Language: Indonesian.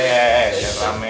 eh jangan rame